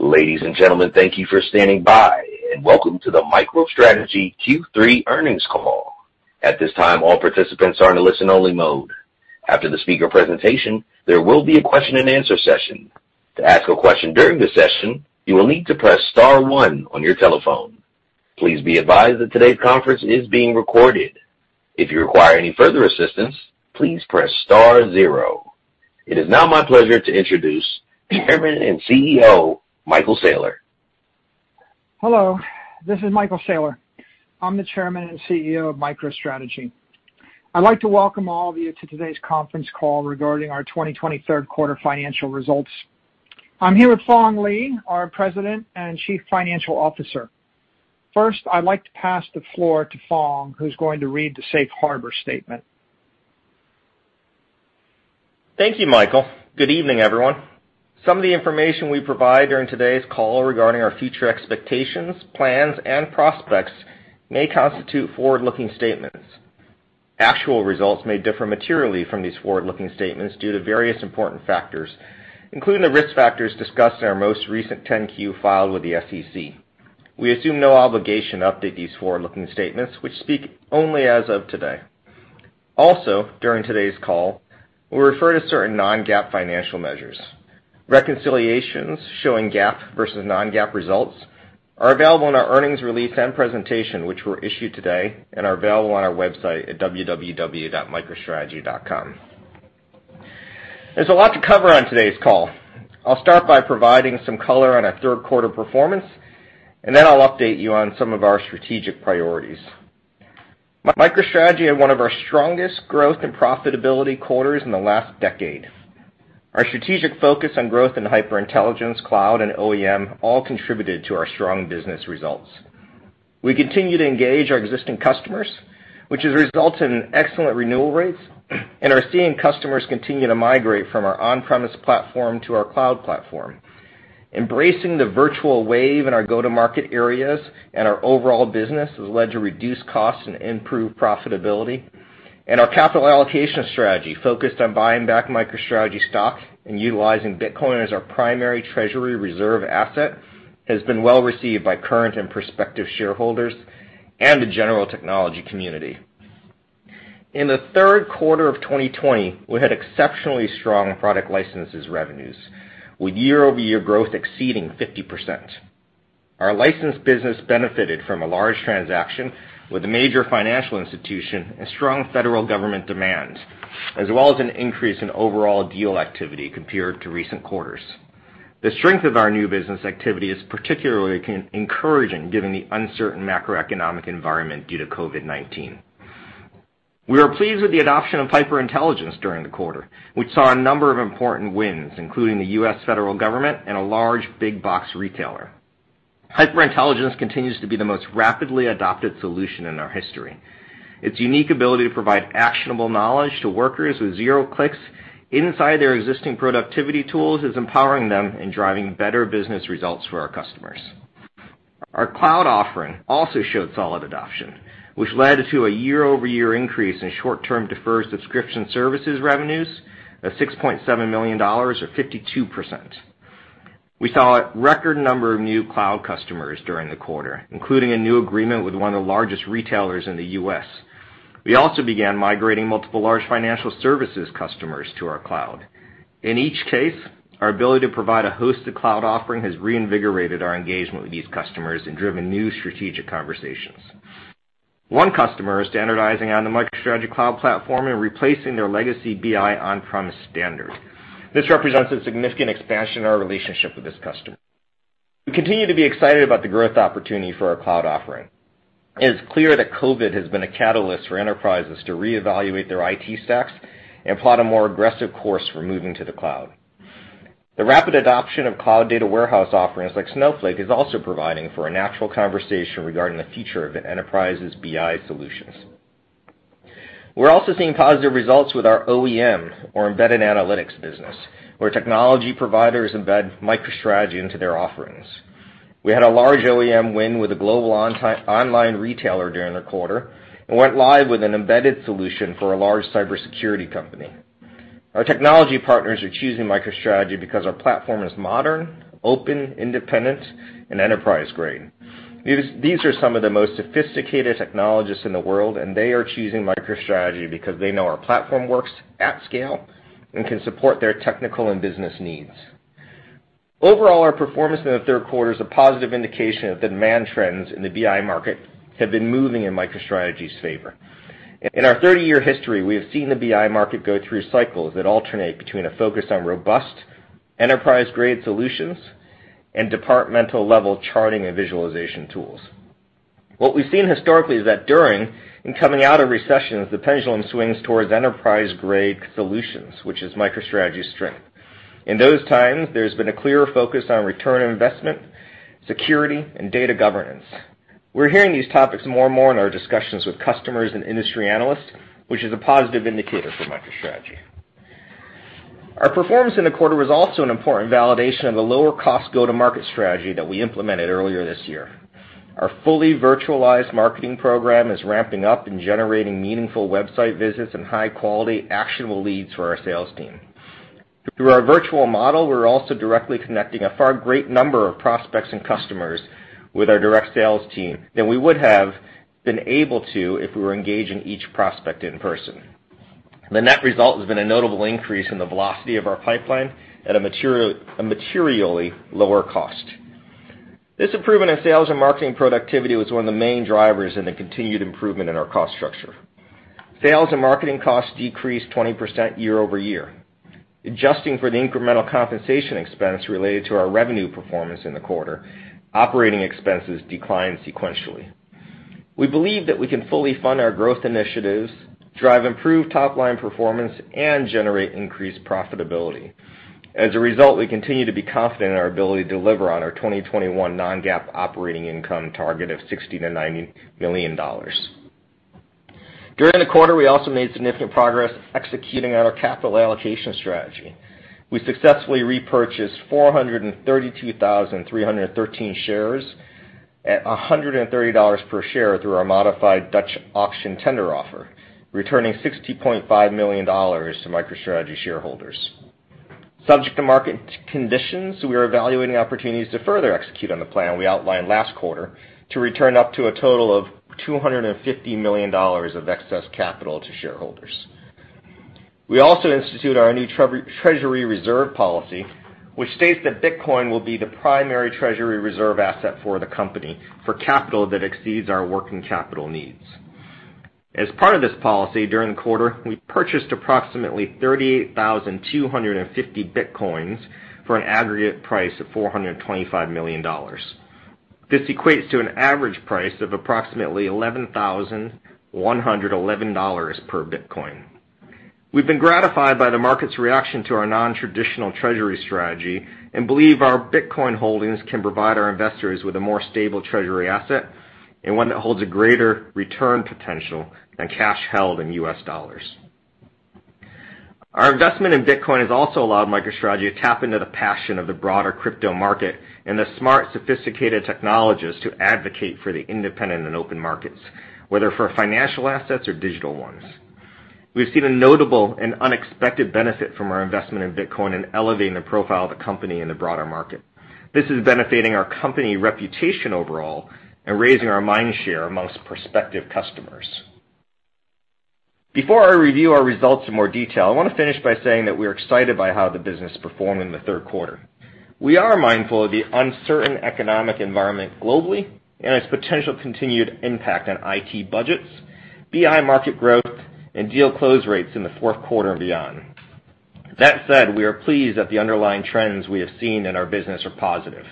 Ladies and gentlemen, thank you for standing by, and welcome to the MicroStrategy Q3 earnings call. At this time, all participants are in a listen-only mode. After the speaker presentation, there will be a question and answer session. To ask a question during the session, you need to press star one on your telephone. Please be advised that today conference is being recorded. If you require any further assistance, please press star zero. It is now my pleasure to introduce Chairman and CEO, Michael Saylor. Hello, this is Michael Saylor. I'm the Chairman and CEO of MicroStrategy. I'd like to welcome all of you to today's conference call regarding our 2020 third quarter financial results. I'm here with Phong Le, our President and Chief Financial Officer. First, I'd like to pass the floor to Phong, who's going to read the safe harbor statement. Thank you, Michael. Good evening, everyone. Some of the information we provide during today's call regarding our future expectations, plans, and prospects may constitute forward-looking statements. Actual results may differ materially from these forward-looking statements due to various important factors, including the risk factors discussed in our most recent 10-Q filed with the SEC. We assume no obligation to update these forward-looking statements, which speak only as of today. Also, during today's call, we'll refer to certain non-GAAP financial measures. Reconciliations showing GAAP versus non-GAAP results are available in our earnings release and presentation, which were issued today and are available on our website at www.microstrategy.com. There's a lot to cover on today's call. I'll start by providing some color on our third quarter performance. Then I'll update you on some of our strategic priorities. MicroStrategy had one of our strongest growth and profitability quarters in the last decade. Our strategic focus on growth in HyperIntelligence, cloud, and OEM all contributed to our strong business results. We continue to engage our existing customers, which has resulted in excellent renewal rates and are seeing customers continue to migrate from our on-premise platform to our cloud platform. Embracing the virtual wave in our go-to-market areas and our overall business has led to reduced costs and improved profitability. Our capital allocation strategy, focused on buying back MicroStrategy stock and utilizing Bitcoin as our primary treasury reserve asset, has been well-received by current and prospective shareholders and the general technology community. In the third quarter of 2020, we had exceptionally strong product licenses revenues, with year-over-year growth exceeding 50%. Our license business benefited from a large transaction with a major financial institution and strong federal government demands, as well as an increase in overall deal activity compared to recent quarters. The strength of our new business activity is particularly encouraging given the uncertain macroeconomic environment due to COVID-19. We are pleased with the adoption of HyperIntelligence during the quarter. We saw a number of important wins, including the U.S. federal government and a large big box retailer. HyperIntelligence continues to be the most rapidly adopted solution in our history. Its unique ability to provide actionable knowledge to workers with zero clicks inside their existing productivity tools is empowering them and driving better business results for our customers. Our cloud offering also showed solid adoption, which led to a year-over-year increase in short-term deferred subscription services revenues of $6.7 million, or 52%. We saw a record number of new cloud customers during the quarter, including a new agreement with one of the largest retailers in the U.S. We also began migrating multiple large financial services customers to our cloud. In each case, our ability to provide a hosted cloud offering has reinvigorated our engagement with these customers and driven new strategic conversations. One customer is standardizing on the MicroStrategy cloud platform and replacing their legacy BI on-premise standard. This represents a significant expansion in our relationship with this customer. We continue to be excited about the growth opportunity for our cloud offering. It is clear that COVID has been a catalyst for enterprises to reevaluate their IT stacks and plot a more aggressive course for moving to the cloud. The rapid adoption of cloud data warehouse offerings like Snowflake is also providing for a natural conversation regarding the future of an enterprise's BI solutions. We're also seeing positive results with our OEM or embedded analytics business, where technology providers embed MicroStrategy into their offerings. We had a large OEM win with a global online retailer during the quarter and went live with an embedded solution for a large cybersecurity company. Our technology partners are choosing MicroStrategy because our platform is modern, open, independent, and enterprise-grade. These are some of the most sophisticated technologies in the world and they are choosing MicroStrategy because they know our platform works at scale and can support their technical and business needs. Overall, our performance in the third quarter is a positive indication that demand trends in the BI market have been moving in MicroStrategy's favor. In our 30-year history, we have seen the BI market go through cycles that alternate between a focus on robust, enterprise-grade solutions and departmental-level charting and visualization tools. What we've seen historically is that during and coming out of recessions, the pendulum swings towards enterprise-grade solutions, which is MicroStrategy's strength. In those times, there's been a clearer focus on return on investment, security, and data governance. We're hearing these topics more and more in our discussions with customers and industry analysts, which is a positive indicator for MicroStrategy. Our performance in the quarter was also an important validation of the lower-cost go-to-market strategy that we implemented earlier this year. Our fully virtualized marketing program is ramping up and generating meaningful website visits and high-quality, actionable leads for our sales team. Through our virtual model, we're also directly connecting a far great number of prospects and customers with our direct sales team than we would have been able to if we were engaging each prospect in person. The net result has been a notable increase in the velocity of our pipeline at a materially lower cost. This improvement in sales and marketing productivity was one of the main drivers in the continued improvement in our cost structure. Sales and marketing costs decreased 20% year-over-year. Adjusting for the incremental compensation expense related to our revenue performance in the quarter, operating expenses declined sequentially. We believe that we can fully fund our growth initiatives, drive improved top-line performance, and generate increased profitability. As a result, we continue to be confident in our ability to deliver on our 2021 non-GAAP operating income target of $60 million-$90 million. During the quarter, we also made significant progress executing our capital allocation strategy. We successfully repurchased 432,313 shares at $130 per share through our modified Dutch auction tender offer, returning $60.5 million to MicroStrategy shareholders. Subject to market conditions, we are evaluating opportunities to further execute on the plan we outlined last quarter to return up to a total of $250 million of excess capital to shareholders. We also instituted our new treasury reserve policy, which states that Bitcoin will be the primary treasury reserve asset for the company for capital that exceeds our working capital needs. As part of this policy, during the quarter, we purchased approximately 38,250 Bitcoins for an aggregate price of $425 million. This equates to an average price of approximately $11,111 per Bitcoin. We've been gratified by the market's reaction to our nontraditional treasury strategy and believe our Bitcoin holdings can provide our investors with a more stable treasury asset and one that holds a greater return potential than cash held in U.S. dollars. Our investment in Bitcoin has also allowed MicroStrategy to tap into the passion of the broader crypto market and the smart, sophisticated technologists who advocate for the independent and open markets, whether for financial assets or digital ones. We've seen a notable and unexpected benefit from our investment in Bitcoin in elevating the profile of the company in the broader market. This is benefiting our company reputation overall and raising our mind share amongst prospective customers. Before I review our results in more detail, I want to finish by saying that we're excited by how the business performed in the third quarter. We are mindful of the uncertain economic environment globally and its potential continued impact on IT budgets, BI market growth, and deal close rates in the fourth quarter and beyond. That said, we are pleased that the underlying trends we have seen in our business are positive.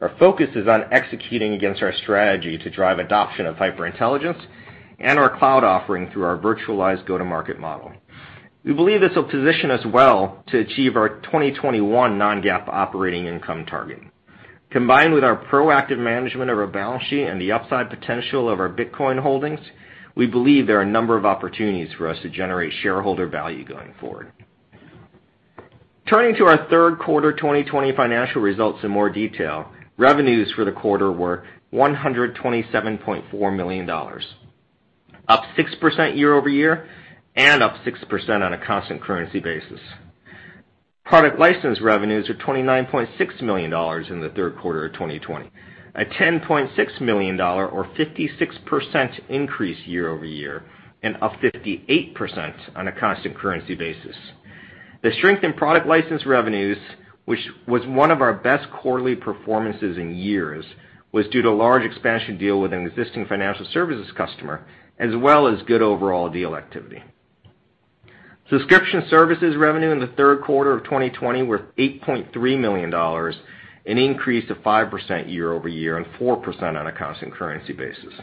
Our focus is on executing against our strategy to drive adoption of HyperIntelligence and our cloud offering through our virtualized go-to-market model. We believe this will position us well to achieve our 2021 non-GAAP operating income target. Combined with our proactive management of our balance sheet and the upside potential of our Bitcoin holdings, we believe there are a number of opportunities for us to generate shareholder value going forward. Turning to our third quarter 2020 financial results in more detail, revenues for the quarter were $127.4 million, up 6% year-over-year and up 6% on a constant currency basis. Product license revenues were $29.6 million in the third quarter of 2020, a $10.6 million or 56% increase year-over-year, and up 58% on a constant currency basis. The strength in product license revenues, which was one of our best quarterly performances in years, was due to a large expansion deal with an existing financial services customer, as well as good overall deal activity. Subscription services revenue in the third quarter of 2020 were $8.3 million, an increase of 5% year-over-year and 4% on a constant currency basis.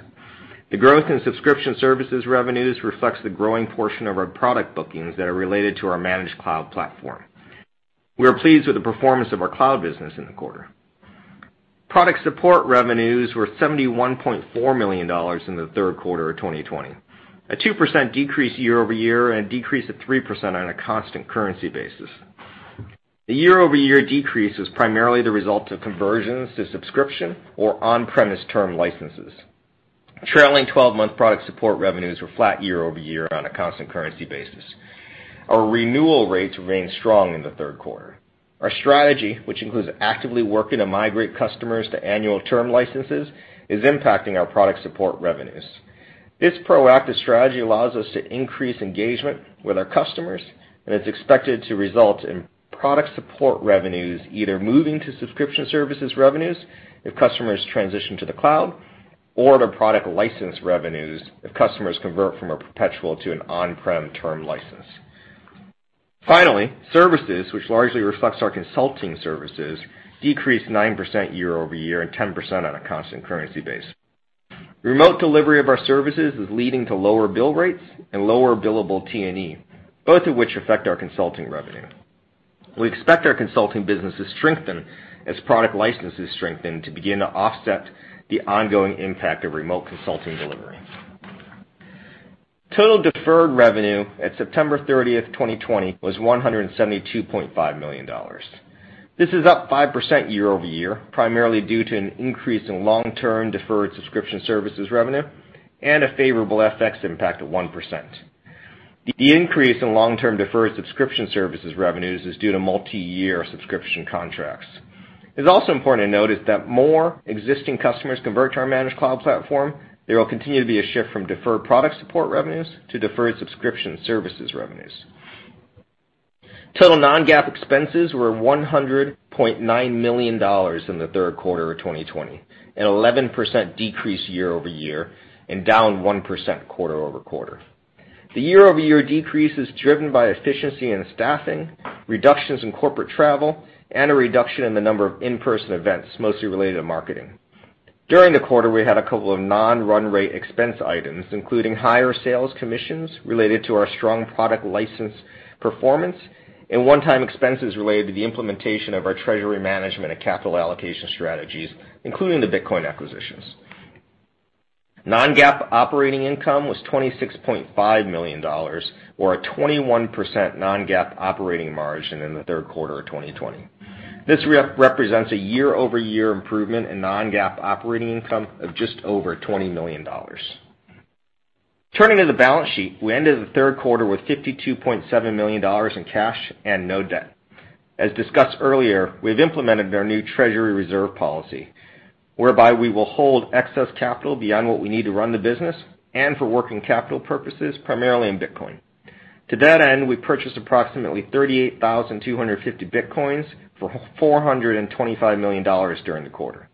The growth in subscription services revenues reflects the growing portion of our product bookings that are related to our managed cloud platform. We are pleased with the performance of our cloud business in the quarter. Product support revenues were $71.4 million in the third quarter of 2020, a 2% decrease year-over-year and a decrease of 3% on a constant currency basis. The year-over-year decrease was primarily the result of conversions to subscription or on-premise term licenses. Trailing 12-month product support revenues were flat year-over-year on a constant currency basis. Our renewal rates remained strong in the third quarter. Our strategy, which includes actively working to migrate customers to annual term licenses, is impacting our product support revenues. This proactive strategy allows us to increase engagement with our customers, and it's expected to result in product support revenues either moving to subscription services revenues if customers transition to the cloud, or to product license revenues if customers convert from a perpetual to an on-prem term license. Finally, services, which largely reflects our consulting services, decreased 9% year-over-year and 10% on a constant currency basis. Remote delivery of our services is leading to lower bill rates and lower billable T&E, both of which affect our consulting revenue. We expect our consulting business to strengthen as product licenses strengthen to begin to offset the ongoing impact of remote consulting delivery. Total deferred revenue at September 30th, 2020, was $172.5 million. This is up 5% year-over-year, primarily due to an increase in long-term deferred subscription services revenue and a favorable FX impact of 1%. The increase in long-term deferred subscription services revenues is due to multi-year subscription contracts. It's also important to note is that more existing customers convert to our managed cloud platform, there will continue to be a shift from deferred product support revenues to deferred subscription services revenues. Total non-GAAP expenses were $100.9 million in the third quarter of 2020, an 11% decrease year-over-year and down 1% quarter-over-quarter. The year-over-year decrease is driven by efficiency in staffing, reductions in corporate travel, and a reduction in the number of in-person events, mostly related to marketing. During the quarter, we had a couple of non-run rate expense items, including higher sales commissions related to our strong product license performance and one-time expenses related to the implementation of our treasury management and capital allocation strategies, including the Bitcoin acquisitions. Non-GAAP operating income was $26.5 million, or a 21% non-GAAP operating margin in the third quarter of 2020. This represents a year-over-year improvement in non-GAAP operating income of just over $20 million. Turning to the balance sheet, we ended the third quarter with $52.7 million in cash and no debt. As discussed earlier, we've implemented our new treasury reserve policy, whereby we will hold excess capital beyond what we need to run the business and for working capital purposes, primarily in Bitcoin. To that end, we purchased approximately 38,250 bitcoins for $425 million during the quarter.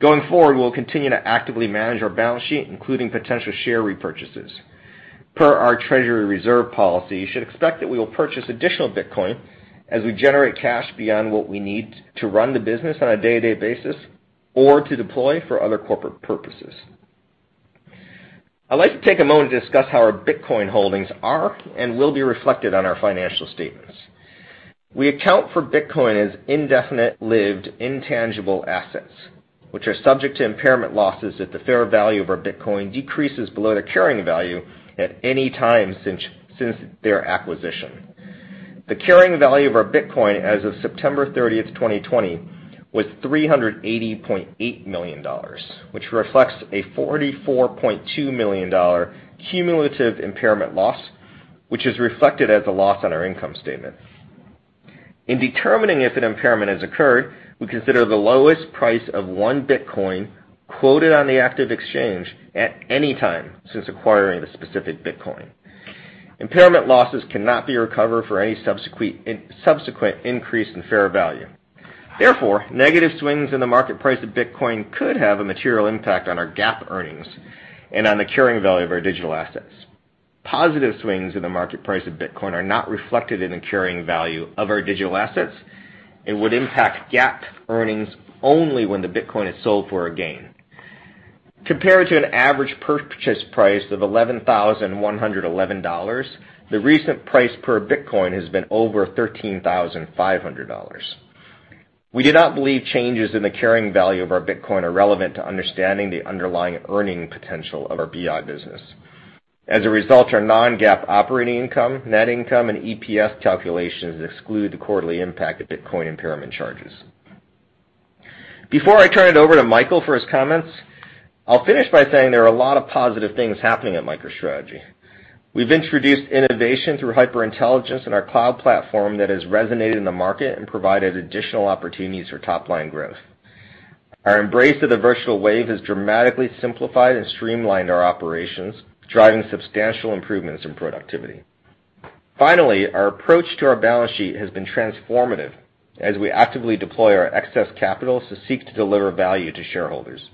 Going forward, we'll continue to actively manage our balance sheet, including potential share repurchases. Per our treasury reserve policy, you should expect that we will purchase additional Bitcoin as we generate cash beyond what we need to run the business on a day-to-day basis or to deploy for other corporate purposes. I'd like to take a moment to discuss how our Bitcoin holdings are and will be reflected on our financial statements. We account for Bitcoin as indefinite-lived intangible assets, which are subject to impairment losses if the fair value of our Bitcoin decreases below their carrying value at any time since their acquisition. The carrying value of our Bitcoin as of September 30th, 2020, was $380.8 million, which reflects a $44.2 million cumulative impairment loss, which is reflected as a loss on our income statement. In determining if an impairment has occurred, we consider the lowest price of one Bitcoin quoted on the active exchange at any time since acquiring the specific Bitcoin. Impairment losses cannot be recovered for any subsequent increase in fair value. Therefore, negative swings in the market price of Bitcoin could have a material impact on our GAAP earnings and on the carrying value of our digital assets. Positive swings in the market price of Bitcoin are not reflected in the carrying value of our digital assets and would impact GAAP earnings only when the Bitcoin is sold for a gain. Compared to an average purchase price of $11,111, the recent price per Bitcoin has been over $13,500. We do not believe changes in the carrying value of our Bitcoin are relevant to understanding the underlying earning potential of our BI business. As a result, our non-GAAP operating income, net income, and EPS calculations exclude the quarterly impact of Bitcoin impairment charges. Before I turn it over to Michael for his comments, I'll finish by saying there are a lot of positive things happening at MicroStrategy. We've introduced innovation through HyperIntelligence in our cloud platform that has resonated in the market and provided additional opportunities for top-line growth. Our embrace of the virtual wave has dramatically simplified and streamlined our operations, driving substantial improvements in productivity. Finally, our approach to our balance sheet has been transformative as we actively deploy our excess capital to seek to deliver value to shareholders.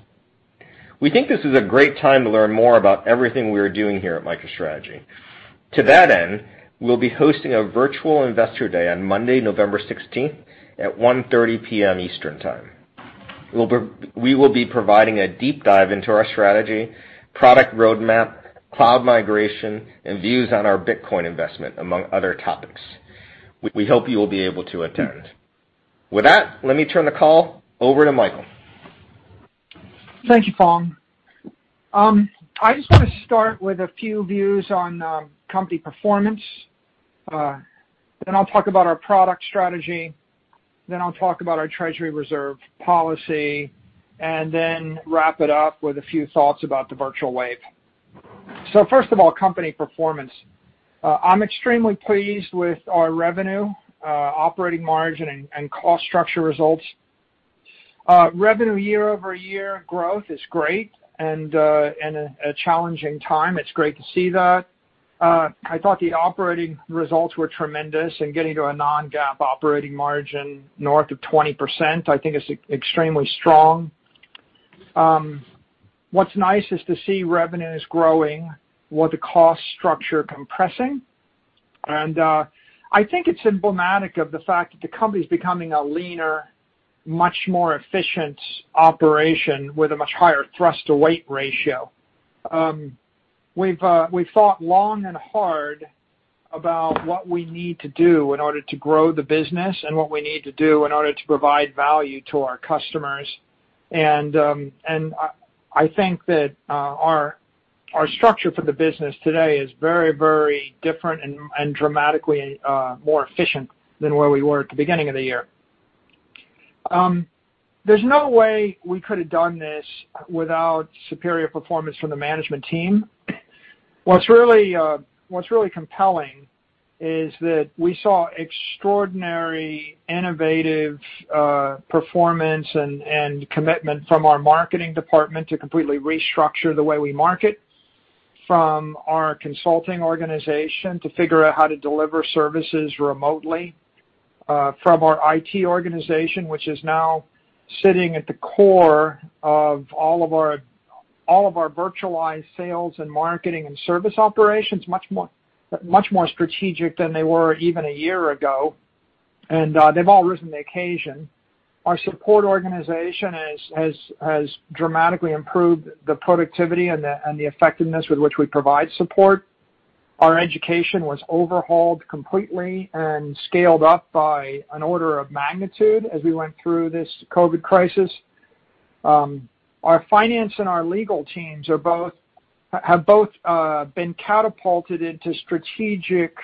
We think this is a great time to learn more about everything we are doing here at MicroStrategy. To that end, we'll be hosting a Virtual Investor Day on Monday, November 16th at 1:30 P.M. Eastern Time. We will be providing a deep dive into our strategy, product roadmap, cloud migration, and views on our Bitcoin investment, among other topics. We hope you will be able to attend. With that, let me turn the call over to Michael. Thank you, Phong. I just want to start with a few views on company performance. I'll talk about our product strategy, then I'll talk about our treasury reserve policy, and then wrap it up with a few thoughts about the virtual wave. First of all, company performance. I'm extremely pleased with our revenue, operating margin, and cost structure results. Revenue year-over-year growth is great, and in a challenging time, it's great to see that. I thought the operating results were tremendous, and getting to a non-GAAP operating margin north of 20%, I think is extremely strong. What's nice is to see revenue is growing with the cost structure compressing. I think it's emblematic of the fact that the company's becoming a leaner, much more efficient operation with a much higher thrust-to-weight ratio. We've thought long and hard about what we need to do in order to grow the business and what we need to do in order to provide value to our customers. I think that our structure for the business today is very, very different and dramatically more efficient than where we were at the beginning of the year. There's no way we could have done this without superior performance from the management team. What's really compelling is that we saw extraordinary innovative performance and commitment from our marketing department to completely restructure the way we market, from our consulting organization to figure out how to deliver services remotely, from our IT organization, which is now sitting at the core of all of our virtualized sales and marketing and service operations. Much more strategic than they were even a year ago, and they've all risen to the occasion. Our support organization has dramatically improved the productivity and the effectiveness with which we provide support. Our education was overhauled completely and scaled up by an order of magnitude as we went through this COVID crisis. Our finance and our legal teams have both been catapulted into strategic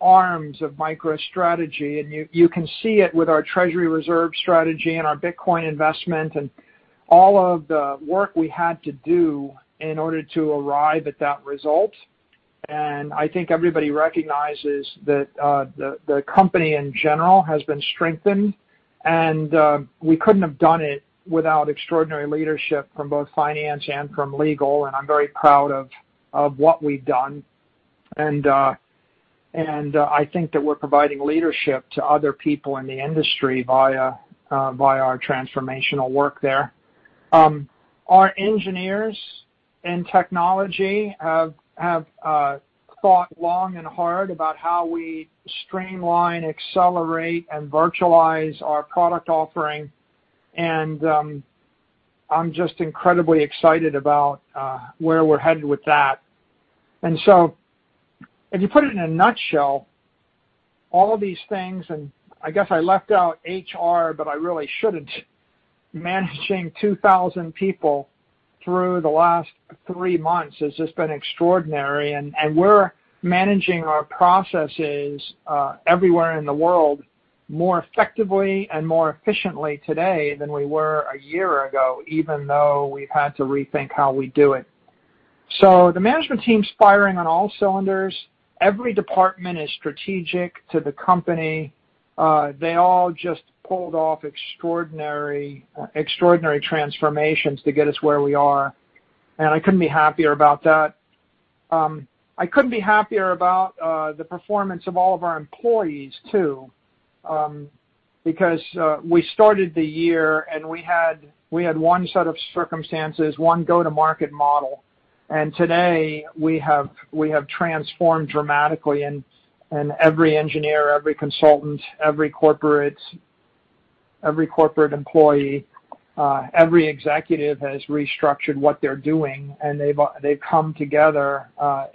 arms of MicroStrategy, and you can see it with our treasury reserve strategy and our Bitcoin investment and all of the work we had to do in order to arrive at that result. I think everybody recognizes that the company in general has been strengthened, and we couldn't have done it without extraordinary leadership from both finance and from legal. I'm very proud of what we've done. I think that we're providing leadership to other people in the industry via our transformational work there. Our engineers in technology have thought long and hard about how we streamline, accelerate, and virtualize our product offering, and I'm just incredibly excited about where we're headed with that. If you put it in a nutshell, all of these things, I guess I left out HR, but I really shouldn't. Managing 2,000 people through the last three months has just been extraordinary. We're managing our processes everywhere in the world more effectively and more efficiently today than we were a year ago, even though we've had to rethink how we do it. The management team's firing on all cylinders. Every department is strategic to the company. They all just pulled off extraordinary transformations to get us where we are, and I couldn't be happier about that. I couldn't be happier about the performance of all of our employees too, because we started the year, and we had one set of circumstances, one go-to-market model. Today we have transformed dramatically. Every engineer, every consultant, every corporates, every corporate employee, every executive has restructured what they're doing, and they've come together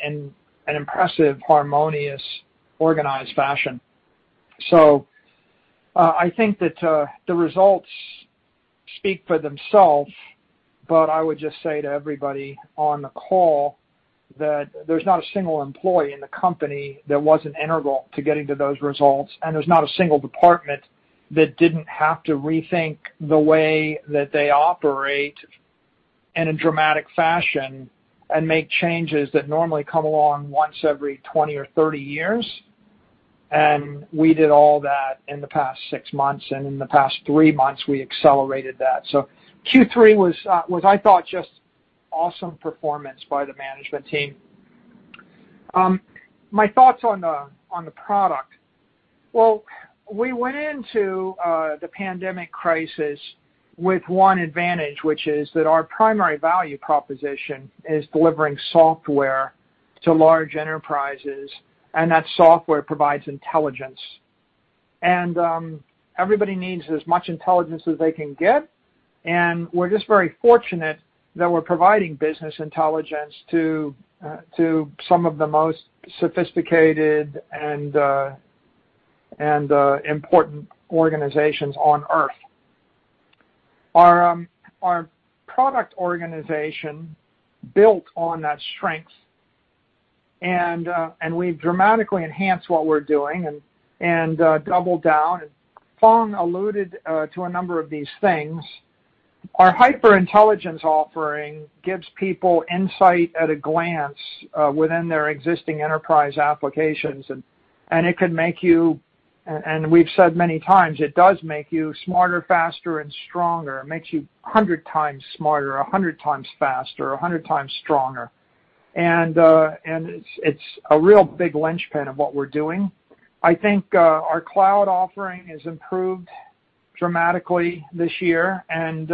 in an impressive, harmonious, organized fashion. I think that the results speak for themselves. I would just say to everybody on the call that there's not a single employee in the company that wasn't integral to getting to those results. There's not a single department that didn't have to rethink the way that they operate in a dramatic fashion and make changes that normally come along once every 20 or 30 years. We did all that in the past six months, and in the past three months, we accelerated that. Q3 was, I thought, just awesome performance by the management team. My thoughts on the, on the product. Well, we went into the pandemic crisis with one advantage, which is that our primary value proposition is delivering software to large enterprises, and that software provides intelligence. Everybody needs as much intelligence as they can get. We're just very fortunate that we're providing business intelligence to some of the most sophisticated and important organizations on Earth. Our product organization built on that strength, and we've dramatically enhanced what we're doing and doubled down. Phong alluded to a number of these things. Our HyperIntelligence offering gives people insight at a glance within their existing enterprise applications. It can make you, and we've said many times, it does make you smarter, faster, and stronger. It makes you 100 times smarter, 100 times faster, 100 times stronger. It's a real big linchpin of what we're doing. I think our cloud offering has improved dramatically this year, and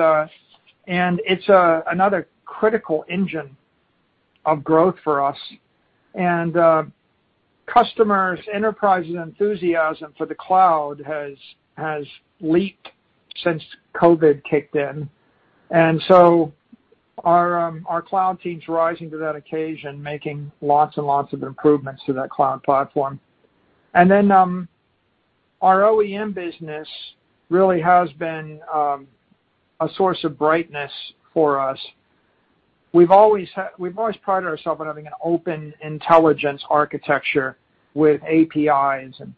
it's another critical engine of growth for us. Customers' enterprise and enthusiasm for the cloud has leaped since COVID kicked in. Our cloud team's rising to that occasion, making lots and lots of improvements to that cloud platform. Our OEM business really has been a source of brightness for us. We've always, we've always prided ourselves on having an open intelligence architecture with APIs, and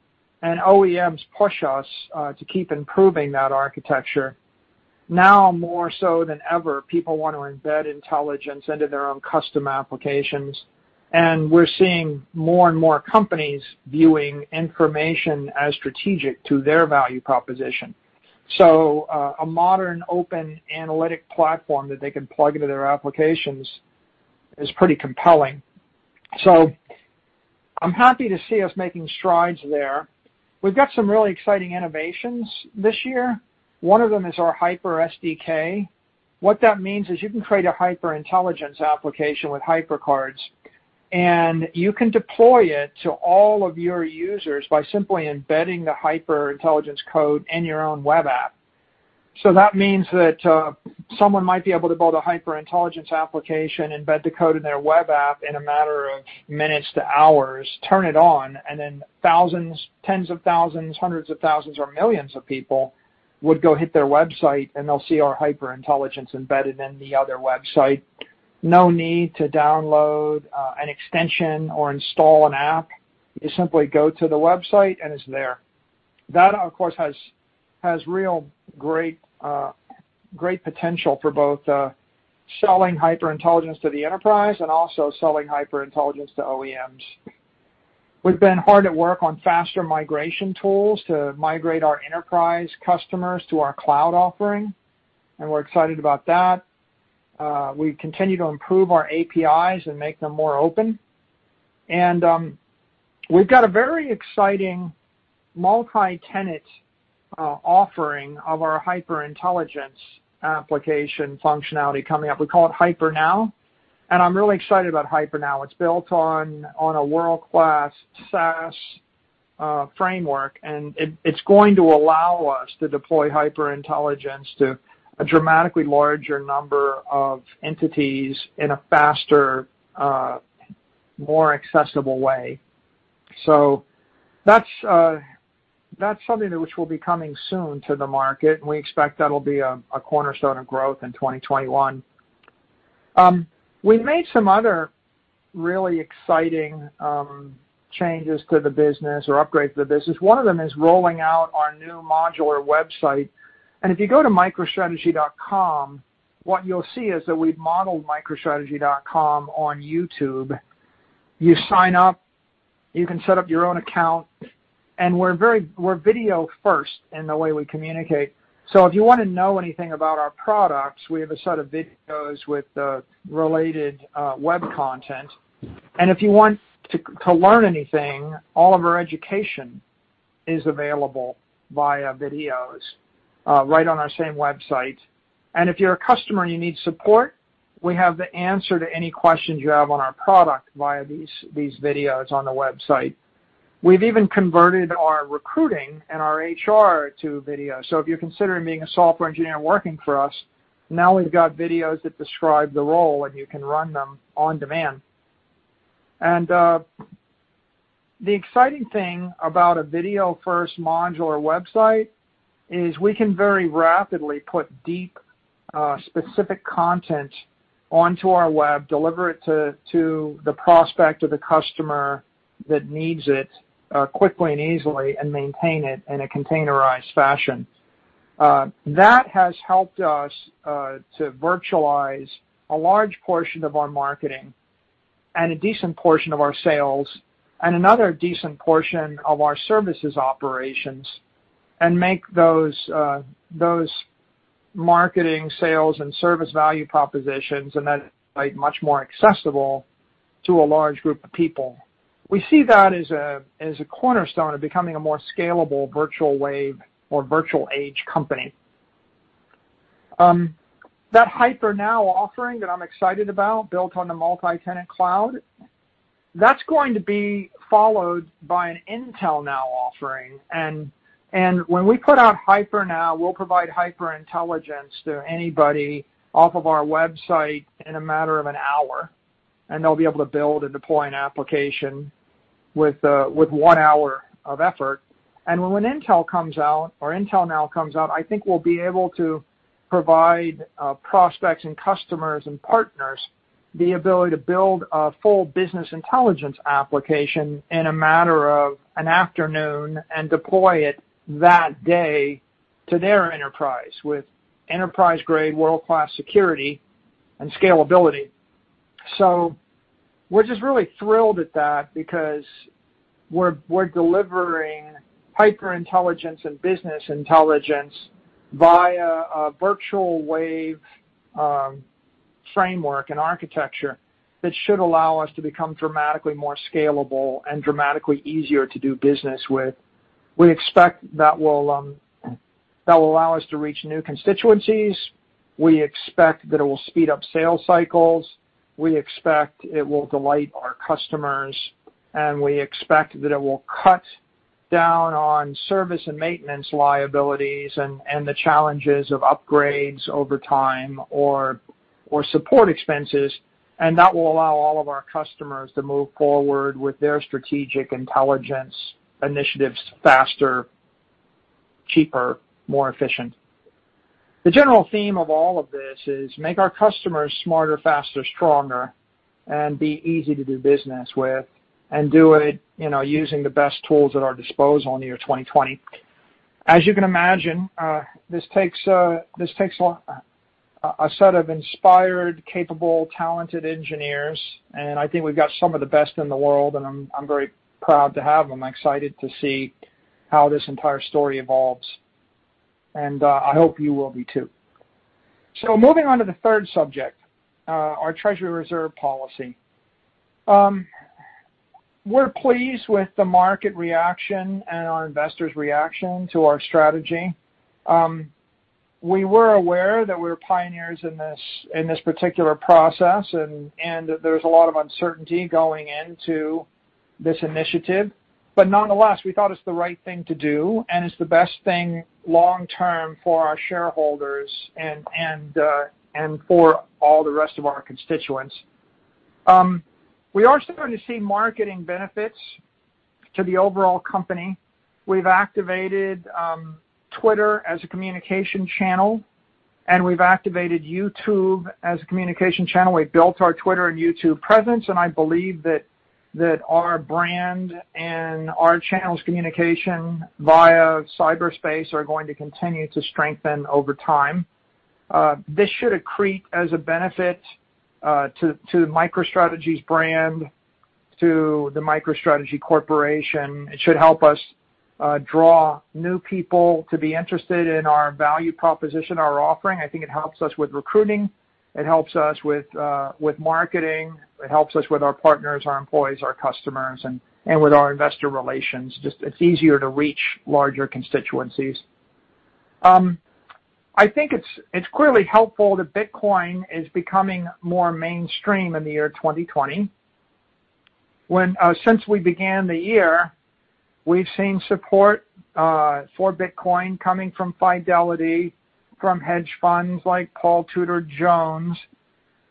OEMs push us to keep improving that architecture. Now more so than ever, people want to embed intelligence into their own custom applications, and we're seeing more and more companies viewing information as strategic to their value proposition. A modern open analytic platform that they can plug into their applications is pretty compelling. I'm happy to see us making strides there. We've got some really exciting innovations this year. One of them is our Hyper SDK. What that means is you can create a HyperIntelligence application with Hyper Cards, and you can deploy it to all of your users by simply embedding the HyperIntelligence code in your own web app. That means that someone might be able to build a HyperIntelligence application, embed the code in their web app in a matter of minutes to hours, turn it on, and then thousands, tens of thousands, hundreds of thousands, or millions of people would go hit their website, and they'll see our HyperIntelligence embedded in the other website. No need to download an extension or install an app. You simply go to the website, and it's there. That, of course, has real great, great potential for both selling HyperIntelligence to the enterprise and also selling HyperIntelligence to OEMs. We've been hard at work on faster migration tools to migrate our enterprise customers to our cloud offering, and we're excited about that. We continue to improve our APIs and make them more open. We've got a very exciting multi-tenant offering of our HyperIntelligence application functionality coming up. We call it Hyper.Now, and I'm really excited about Hyper.Now. It's built on a world-class SaaS framework, and it's going to allow us to deploy HyperIntelligence to a dramatically larger number of entities in a faster, more accessible way. That's something which will be coming soon to the market, and we expect that'll be a cornerstone of growth in 2021. We've made some other really exciting changes to the business or upgrades to the business. One of them is rolling out our new modular website. If you go to microstrategy.com, what you'll see is that we've modeled microstrategy.com on YouTube. You sign up, you can set up your own account, and we're video first in the way we communicate. If you want to know anything about our products, we have a set of videos with related web content. If you want to learn anything, all of our education is available via videos right on our same website. If you're a customer and you need support, we have the answer to any questions you have on our product via these videos on the website. We've even converted our recruiting and our HR to video. If you're considering being a software engineer working for us, now we've got videos that describe the role, and you can run them on demand. The exciting thing about a video-first modular website is we can very rapidly put deep, specific content onto our web, deliver it to the prospect or the customer that needs it quickly and easily, and maintain it in a containerized fashion. That has helped us to virtualize a large portion of our marketing and a decent portion of our sales and another decent portion of our services operations and make those marketing, sales, and service value propositions that much more accessible to a large group of people. We see that as a cornerstone of becoming a more scalable virtual wave or virtual age company. That Hyper.Now offering that I'm excited about, built on the multi-tenant cloud, that's going to be followed by an Intel.Now offering. When we put out Hyper.Now, we'll provide HyperIntelligence to anybody off of our website in a matter of an hour, and they'll be able to build and deploy an application with one hour of effort. When Intel comes out, or Intel.Now comes out, I think we'll be able to provide prospects and customers and partners the ability to build a full business intelligence application in a matter of an afternoon and deploy it that day to their enterprise with enterprise-grade, world-class security and scalability. We're just really thrilled at that because we're delivering HyperIntelligence and business intelligence via a virtual wave framework and architecture that should allow us to become dramatically more scalable and dramatically easier to do business with. We expect that will allow us to reach new constituencies. We expect that it will speed up sales cycles. We expect it will delight our customers. We expect that it will cut down on service and maintenance liabilities and the challenges of upgrades over time or support expenses. That will allow all of our customers to move forward with their strategic intelligence initiatives faster, cheaper, more efficient. The general theme of all of this is make our customers smarter, faster, stronger, and be easy to do business with, and do it using the best tools at our disposal in the year 2020. As you can imagine, this takes a set of inspired, capable, talented engineers. I think we've got some of the best in the world, and I'm very proud to have them. I'm excited to see how this entire story evolves. I hope you will be too. Moving on to the third subject, our treasury reserve policy. We're pleased with the market reaction and our investors' reaction to our strategy. We were aware that we're pioneers in this particular process, and that there's a lot of uncertainty going into this initiative. But nonetheless, we thought it's the right thing to do, and it's the best thing long-term for our shareholders and for all the rest of our constituents. We are starting to see marketing benefits to the overall company. We've activated Twitter as a communication channel, and we've activated YouTube as a communication channel. We've built our Twitter and YouTube presence, and I believe that our brand and our channels of communication via cyberspace are going to continue to strengthen over time. This should accrete as a benefit to MicroStrategy's brand, to the MicroStrategy Corporation. It should help us draw new people to be interested in our value proposition, our offering. I think it helps us with recruiting, it helps us with marketing, it helps us with our partners, our employees, our customers, and with our investor relations. Just, it's easier to reach larger constituencies. I think it's clearly helpful that Bitcoin is becoming more mainstream in the year 2020. Since we began the year, we've seen support for Bitcoin coming from Fidelity, from hedge funds like Paul Tudor Jones.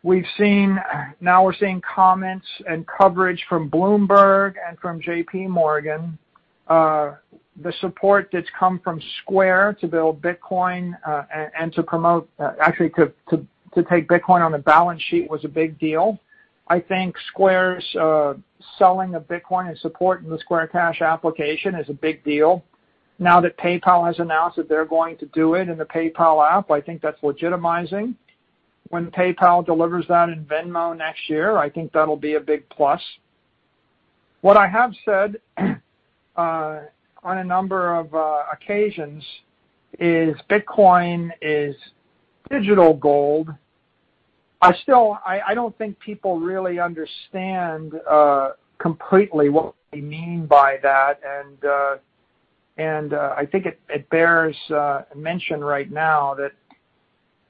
Now we're seeing comments and coverage from Bloomberg and from JPMorgan. The support that's come from Square to build Bitcoin and to promote, actually to take Bitcoin on the balance sheet was a big deal. I think Square's selling of Bitcoin and support in the Square Cash Application is a big deal. Now that PayPal has announced that they're going to do it in the PayPal app, I think that's legitimizing. When PayPal delivers that in Venmo next year, I think that'll be a big plus. What I have said on a number of occasions is Bitcoin is digital gold. I still, I don't think people really understand completely what we mean by that, and I think it bears mention right now that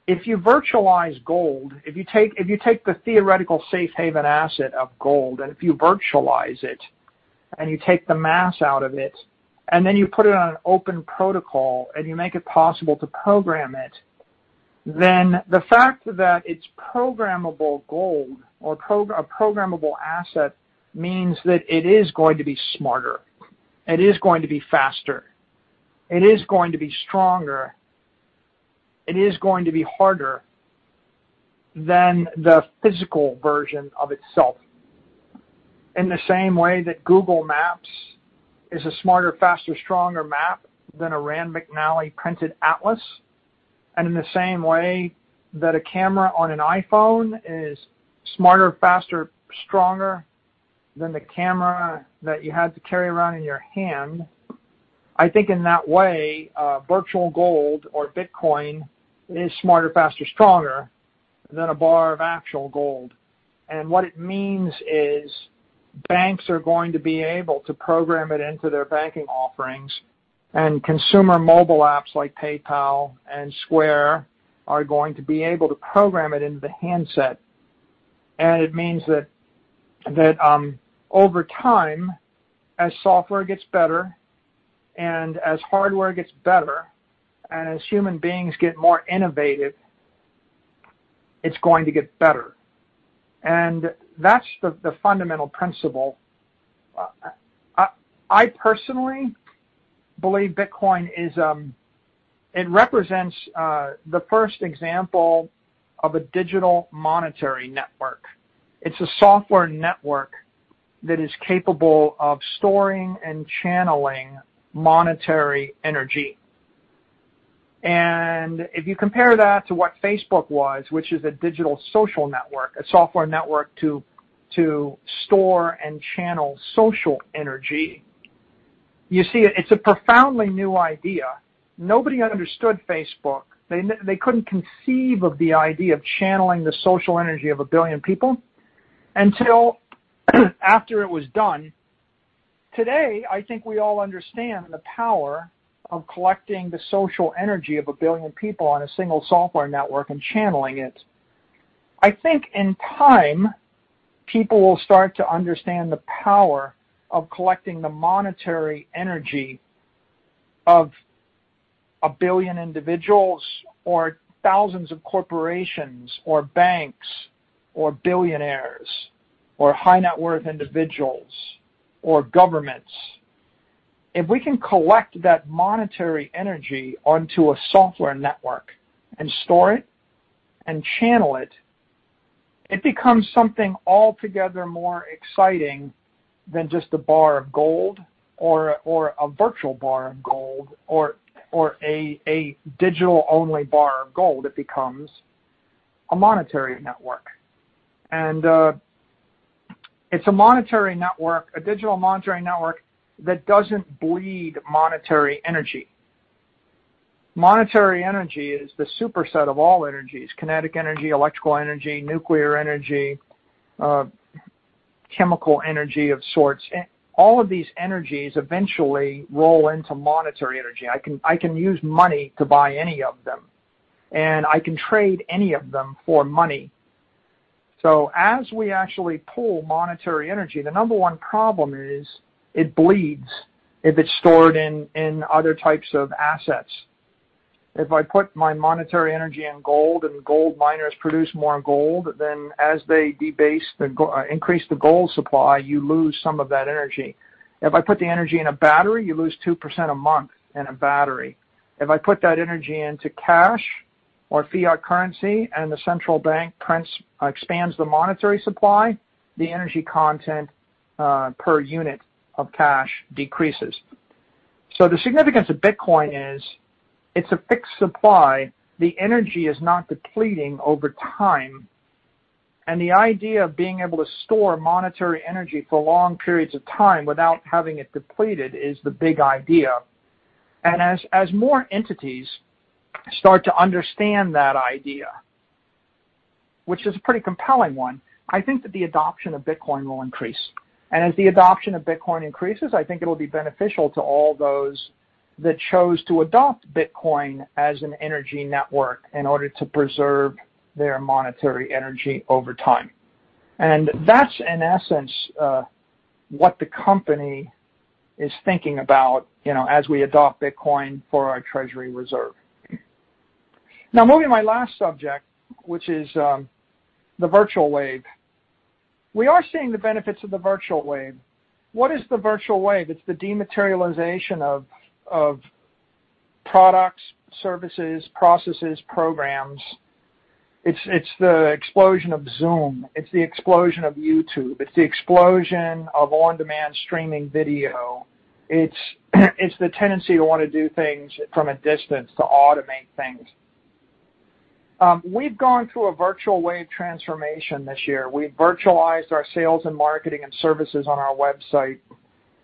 if you virtualize gold, if you take the theoretical safe haven asset of gold, and if you virtualize it, and you take the mass out of it, and then you put it on an open protocol, and you make it possible to program it, then the fact that it's programmable gold or a programmable asset means that it is going to be smarter, it is going to be faster, it is going to be stronger, it is going to be harder than the physical version of itself. In the same way that Google Maps is a smarter, faster, stronger map than a Rand McNally printed atlas, and in the same way that a camera on an iPhone is smarter, faster, stronger than the camera that you had to carry around in your hand, I think in that way, virtual gold or Bitcoin is smarter, faster, stronger than a bar of actual gold. What it means is banks are going to be able to program it into their banking offerings, and consumer mobile apps like PayPal and Square are going to be able to program it in the handset. It means that over time, as software gets better, and as hardware gets better, and as human beings get more innovative, it's going to get better. That's the fundamental principle. I personally believe Bitcoin represents the first example of a digital monetary network. It's a software network that is capable of storing and channeling monetary energy. If you compare that to what Facebook was, which is a digital social network, a software network to store and channel social energy, you see it's a profoundly new idea. Nobody understood Facebook. They couldn't conceive of the idea of channeling the social energy of a billion people until after it was done. Today, I think we all understand the power of collecting the social energy of a billion people on a single software network and channeling it. I think in time, people will start to understand the power of collecting the monetary energy of a billion individuals or thousands of corporations or banks or billionaires or high-net-worth individuals or governments. If we can collect that monetary energy onto a software network and store it and channel it becomes something altogether more exciting than just a bar of gold or a virtual bar of gold or a digital-only bar of gold. It becomes a monetary network. It's a monetary network, a digital monetary network that doesn't bleed monetary energy. Monetary energy is the superset of all energies, kinetic energy, electrical energy, nuclear energy, chemical energy of sorts. All of these energies eventually roll into monetary energy. I can use money to buy any of them, and I can trade any of them for money. As we actually pull monetary energy, the number one problem is it bleeds if it's stored in other types of assets. If I put my monetary energy in gold and gold miners produce more gold, then as they increase the gold supply, you lose some of that energy. If I put the energy in a battery, you lose 2% a month in a battery. If I put that energy into cash or fiat currency and the central bank expands the monetary supply, the energy content per unit of cash decreases. The significance of Bitcoin is it's a fixed supply. The energy is not depleting over time, and the idea of being able to store monetary energy for long periods of time without having it depleted is the big idea. As more entities start to understand that idea, which is a pretty compelling one, I think that the adoption of Bitcoin will increase. As the adoption of Bitcoin increases, I think it'll be beneficial to all those that chose to adopt Bitcoin as an energy network in order to preserve their monetary energy over time. That's in essence, what the company is thinking about as we adopt Bitcoin for our treasury reserve. Now, moving to my last subject, which is the virtual wave. We are seeing the benefits of the virtual wave. What is the virtual wave? It's the dematerialization of products, services, processes, programs. It's the explosion of Zoom. It's the explosion of YouTube. It's the explosion of on-demand streaming video. It's the tendency to want to do things from a distance, to automate things. We've gone through a virtual wave transformation this year. We virtualized our sales and marketing and services on our website.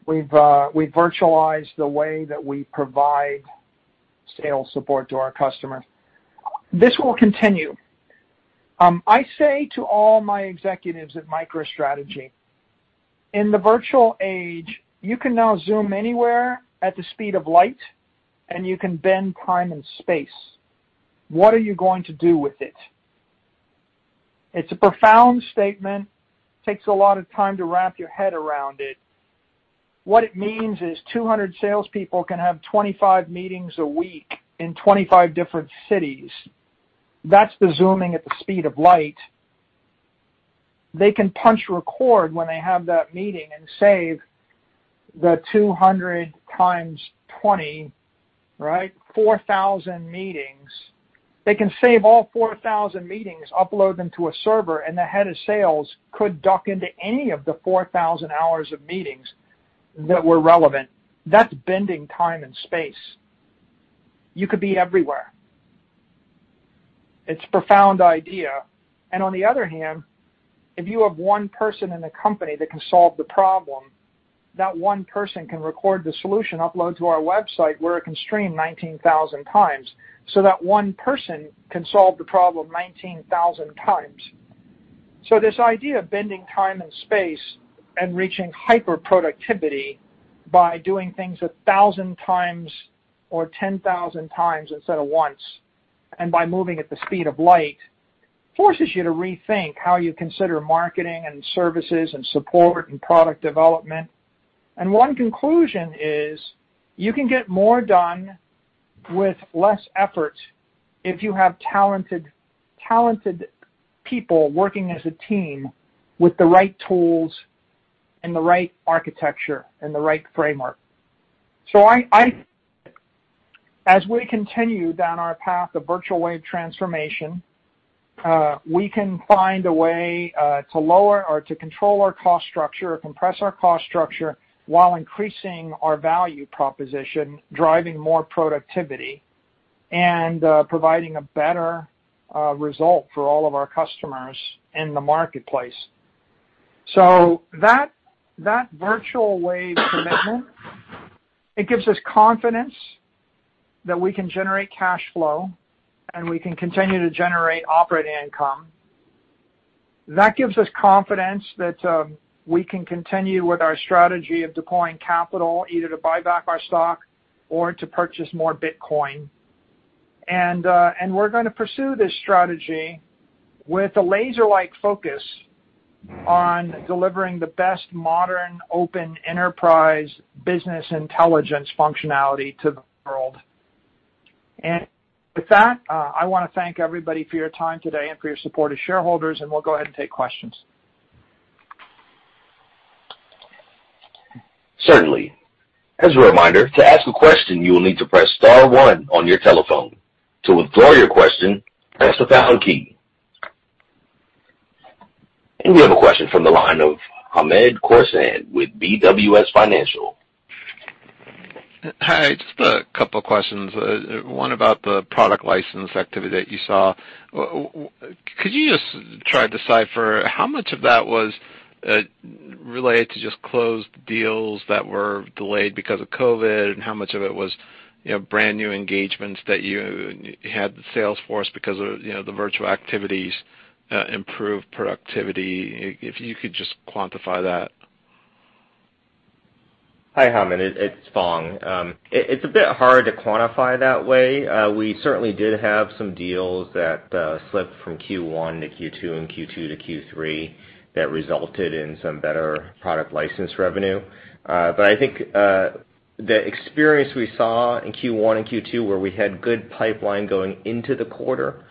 We virtualized the way that we provide sales support to our customers. This will continue. I say to all my executives at MicroStrategy, in the virtual age, you can now Zoom anywhere at the speed of light, and you can bend time and space. What are you going to do with it? It's a profound statement. Takes a lot of time to wrap your head around it. What it means is 200 salespeople can have 25 meetings a week in 25 different cities. That's the Zooming at the speed of light. They can punch record when they have that meeting and save the 200 x 20, right, 4,000 meetings. They can save all 4,000 meetings, upload them to a server, and the head of sales could duck into any of the 4,000 hours of meetings that were relevant. That's bending time and space. You could be everywhere. It's a profound idea. On the other hand, if you have one person in the company that can solve the problem, that one person can record the solution, upload to our website, where it can stream 19,000 times, so that one person can solve the problem 19,000 times. This idea of bending time and space and reaching hyperproductivity by doing things 1,000 times or 10,000 times instead of once, and by moving at the speed of light, forces you to rethink how you consider marketing and services and support and product development. One conclusion is you can get more done with less effort if you have talented people working as a team with the right tools and the right architecture and the right framework. As we continue down our path of virtual wave transformation, we can find a way to lower or to control our cost structure or compress our cost structure while increasing our value proposition, driving more productivity, and providing a better result for all of our customers in the marketplace. That virtual wave commitment, it gives us confidence that we can generate cash flow, and we can continue to generate operating income. That gives us confidence that we can continue with our strategy of deploying capital, either to buy back our stock or to purchase more Bitcoin. We're going to pursue this strategy with a laser-like focus on delivering the best modern open enterprise business intelligence functionality to the world. With that, I want to thank everybody for your time today and for your support as shareholders, and we'll go ahead and take questions. Certainly. As a reminder, to ask a question, you will need to press star one on your telephone. To withdraw your question, press the pound key. We have a question from the line of Hamed Khorsand with BWS Financial. Hi, just a couple of questions. One about the product license activity that you saw. Could you just try to decipher how much of that was related to just closed deals that were delayed because of COVID, how much of it was brand-new engagements that you had the sales force because of the virtual activities improved productivity? If you could just quantify that. Hi, Hamed. It's Phong. It's a bit hard to quantify that way. We certainly did have some deals that slipped from Q1 to Q2 and Q2 to Q3 that resulted in some better product license revenue. I think the experience we saw in Q1 and Q2, where we had good pipeline going into the quarter,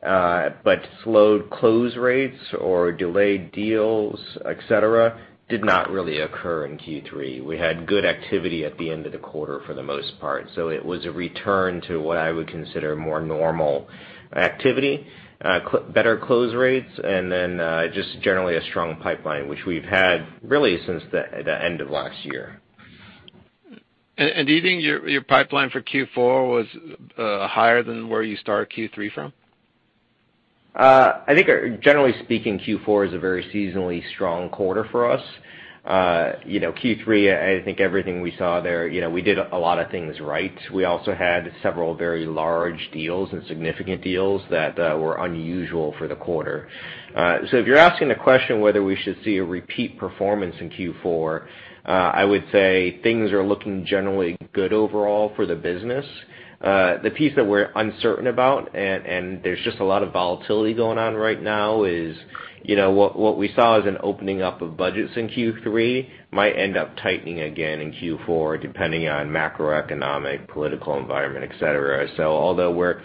but slowed close rates or delayed deals, et cetera, did not really occur in Q3. We had good activity at the end of the quarter for the most part. It was a return to what I would consider more normal activity, better close rates, just generally a strong pipeline, which we've had really since the end of last year. Do you think your pipeline for Q4 was higher than where you started Q3 from? I think, generally speaking, Q4 is a very seasonally strong quarter for us. Q3, I think everything we saw there, we did a lot of things right. We also had several very large deals and significant deals that were unusual for the quarter. If you're asking the question whether we should see a repeat performance in Q4, I would say things are looking generally good overall for the business. The piece that we're uncertain about, and there's just a lot of volatility going on right now, is what we saw as an opening up of budgets in Q3 might end up tightening again in Q4, depending on macroeconomic political environment, et cetera. Although we're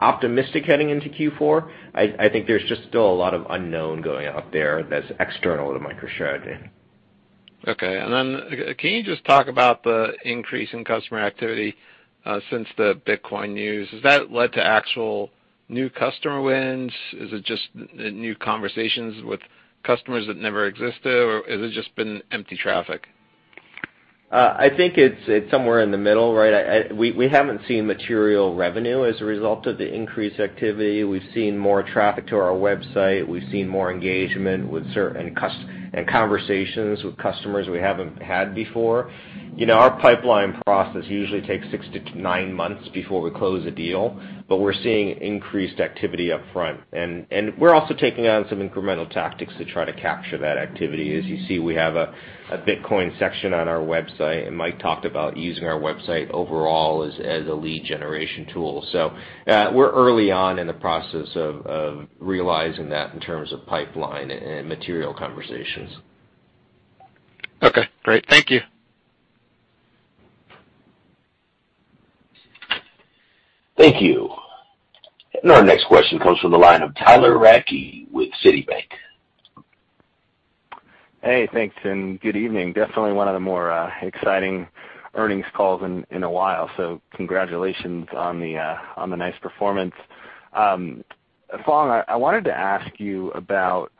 optimistic heading into Q4, I think there's just still a lot of unknown going out there that's external to MicroStrategy. Okay. Can you just talk about the increase in customer activity since the Bitcoin news? Has that led to actual new customer wins? Is it just new conversations with customers that never existed, or has it just been empty traffic? I think it's somewhere in the middle. We haven't seen material revenue as a result of the increased activity. We've seen more traffic to our website. We've seen more engagement with certain customers and conversations with customers we haven't had before. Our pipeline process usually takes six to nine months before we close a deal. We're seeing increased activity up front. We're also taking on some incremental tactics to try to capture that activity. As you see, we have a Bitcoin section on our website. Mike talked about using our website overall as a lead generation tool. We're early on in the process of realizing that in terms of pipeline and material conversations. Okay, great. Thank you. Thank you. Our next question comes from the line of Tyler Radke with Citibank. Hey, thanks, and good evening. That's all a lot of more exciting earnings call in a while. Congratulations on the nice performance. Phong, I wanted to ask you about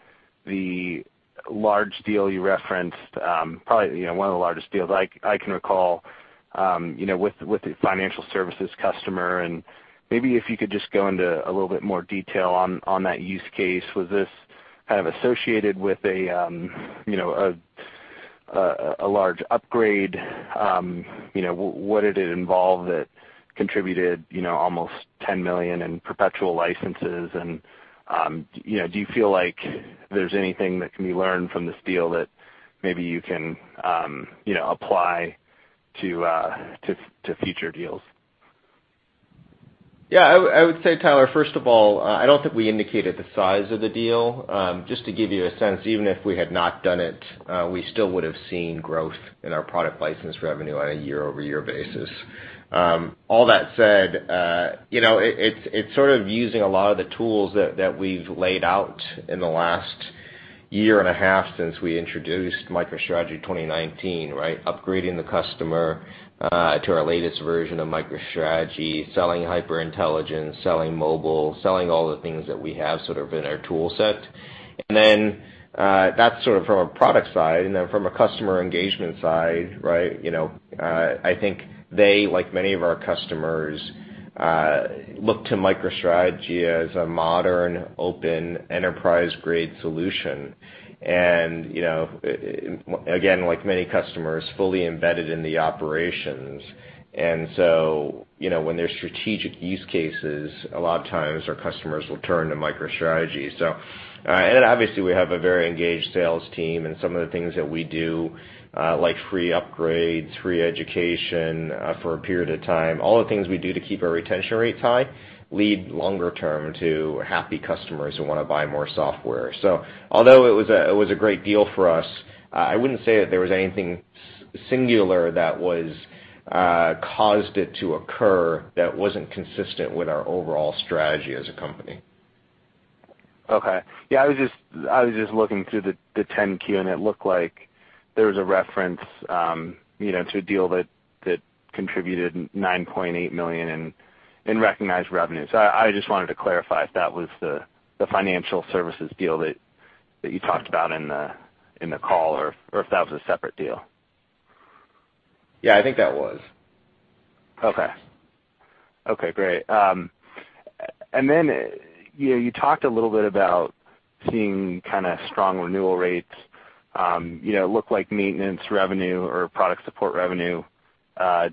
the large deal you referenced, probably one of the largest deals I can recall with the financial services customer. Maybe if you could just go into a little bit more detail on that use case. So this have associated with a large upgrade? What did it involve that contributed almost $10 million in perpetual licenses? Do you feel like there's anything that can be learned from this deal that maybe you can apply to future deals? Yeah, I would say, Tyler, first of all, I don't think we indicated the size of the deal. Just to give you a sense, even if we had not done it, we still would have seen growth in our product license revenue on a year-over-year basis. All that said, it's sort of using a lot of the tools that we've laid out in the last year and a half since we introduced MicroStrategy 2019, right? Upgrading the customer to our latest version of MicroStrategy, selling HyperIntelligence, selling mobile, selling all the things that we have sort of in our tool set. Then, that's sort of from a product side, and then from a customer engagement side, I think they, like many of our customers, look to MicroStrategy as a modern, open, enterprise-grade solution. Again, like many customers, fully embedded in the operations. When there's strategic use cases, a lot of times our customers will turn to MicroStrategy. Obviously we have a very engaged sales team, and some of the things that we do, like free upgrades, free education for a period of time, all the things we do to keep our retention rate high, lead longer term to happy customers who wanna buy more software. Although it was a great deal for us, I wouldn't say that there was anything singular that was caused it to occur that wasn't consistent with our overall strategy as a company. Okay. Yeah, I was just looking through the 10-Q, and it looked like there was a reference to a deal that contributed $9.8 million in recognized revenue. I just wanted to clarify if that was the financial services deal that you talked about in the call, or if that was a separate deal. Yeah, I think that was. Okay. Okay, great. Then you talked a little bit about seeing kind a strong renewal rates. It looked like maintenance revenue or product support revenue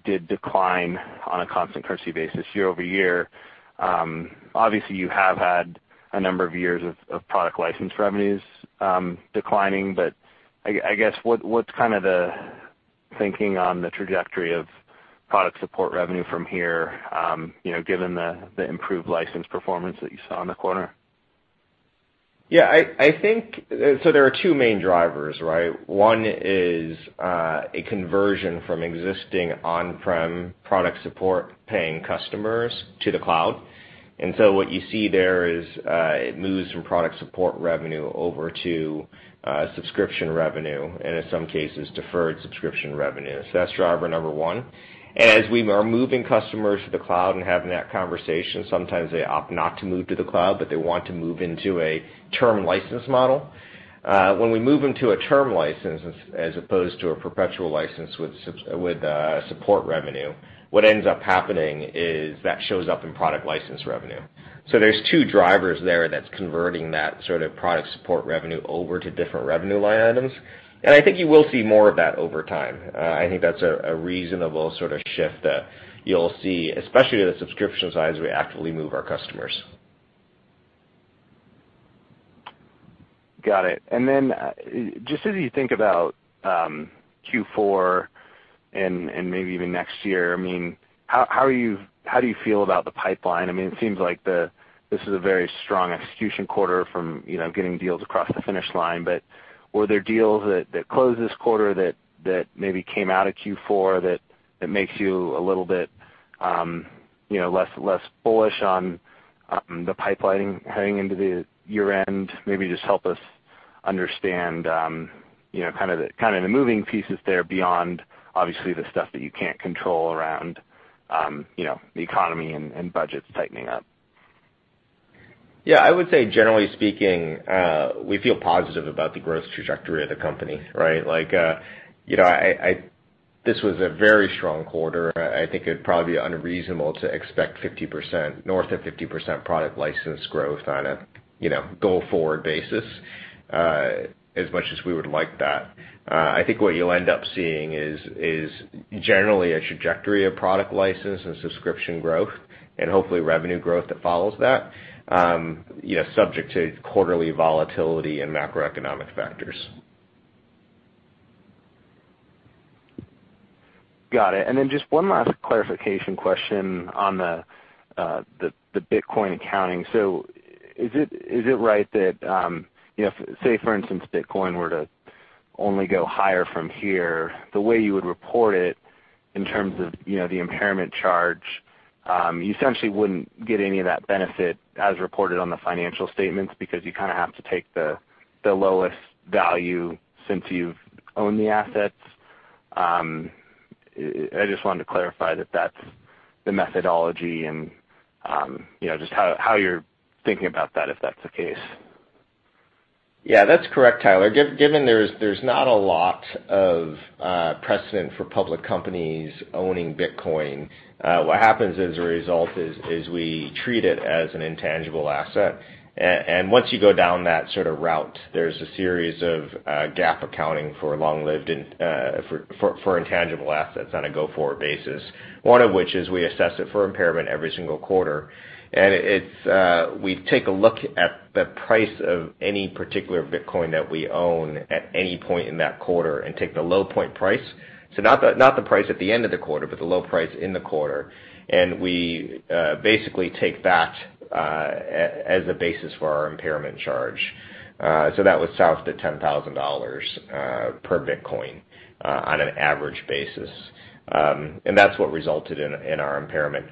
did decline on a constant currency basis year-over-year. Obviously, you have had a number of years of product license revenues declining, I guess, what's the thinking on the trajectory of product support revenue from here, given the improved license performance that you saw in the quarter? Yeah. I think, there are two main drivers, right? One is a conversion from existing on-prem product support paying customers to the cloud. What you see there is, it moves from product support revenue over to subscription revenue, and in some cases, deferred subscription revenue. That's driver number one. As we are moving customers to the cloud and having that conversation, sometimes they opt not to move to the cloud, but they want to move into a term license model. When we move into a term license, as opposed to a perpetual license with the support revenue, what ends up happening is that shows up in product license revenue. There's two drivers there that's converting that sort of product support revenue over to different revenue line items, and I think you will see more of that over time. I think that's a reasonable sort of shift that you'll see, especially to the subscription side, as we actively move our customers. Got it. Just as you think about Q4 and maybe even next year, how do you feel about the pipeline? It seems like this is a very strong execution quarter from getting deals across the finish line. Were there deals that closed this quarter that maybe came out of Q4 that makes you a little bit less bullish on the pipeline heading into the year-end? Maybe just help us understand kind of moving pieces there beyond obviously the stuff that you can't control around the economy and budgets tightening up. Yeah. I would say generally speaking, we feel positive about the growth trajectory of the company, right? Like a, this was a very strong quarter. I think it'd probably be unreasonable to expect 50%, north of 50% product license growth on a go-forward basis. As much as we would like that. I think what you'll end up seeing is generally a trajectory of product license and subscription growth, and hopefully revenue growth that follows that, subject to quarterly volatility and macroeconomic factors. Got it. Then just one last clarification question on the Bitcoin accounting. Is it right that, say for instance, Bitcoin were to only go higher from here, the way you would report it in terms of the impairment charge, you essentially wouldn't get any of that benefit as reported on the financial statements because you have to take the lowest value since you've owned the assets? I just wanted to clarify that that's the methodology and just how you're thinking about that, if that's the case. Yeah. That's correct, Tyler. Given there's not a lot of precedent for public companies owning Bitcoin, what happens as a result is we treat it as an intangible asset. Once you go down that sort of route, there's a series of GAAP accounting for intangible assets on a go-forward basis. One of which is we assess it for impairment every single quarter. We take a look at the price of any particular Bitcoin that we own at any point in that quarter and take the low point price. Not the price at the end of the quarter, but the low price in the quarter. We basically take that as a basis for our impairment charge. That was south to $10,000 per Bitcoin on an average basis. That's what resulted in our impairment.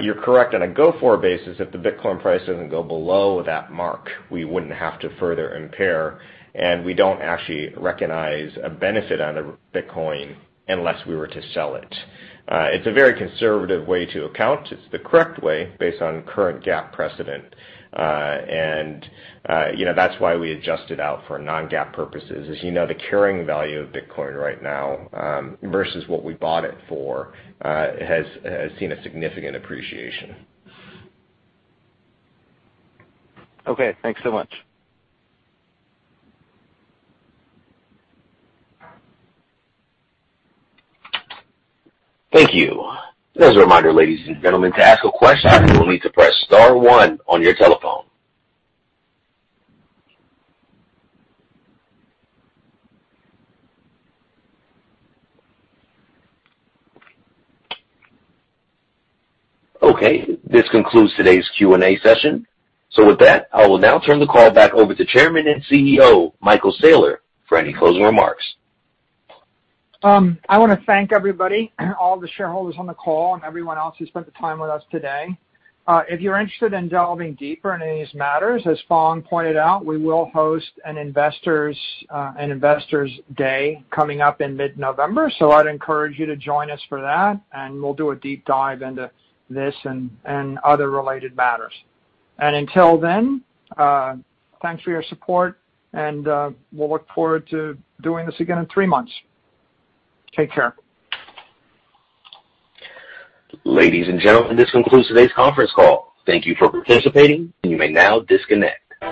You're correct on a go-forward basis, if the Bitcoin price doesn't go below that mark, we wouldn't have to further impair, and we don't actually recognize a benefit on a Bitcoin unless we were to sell it. It's a very conservative way to account. It's the correct way based on current GAAP precedent. That's why we adjust it out for non-GAAP purposes. As you know, the carrying value of Bitcoin right now versus what we bought it for, has seen a significant appreciation. Okay, thanks so much. Thank you. Just a reminder ladies and gentlemen, to ask a question you need to press star one on your telephone. Okay, this concludes today's Q&A session. With that, I will now turn the call back over to Chairman and CEO, Michael Saylor, for any closing remarks. I want to thank everybody, all the shareholders on the call and everyone else who spent the time with us today. If you're interested in delving deeper into these matters, as Phong pointed out, we will host an Investors Day coming up in mid-November, so I'd encourage you to join us for that, and we'll do a deep dive into this and other related matters. Until then, thanks for your support and we'll look forward to doing this again in three months. Take care. Ladies and gentlemen, this concludes today's conference call. Thank you for participating, and you may now disconnect.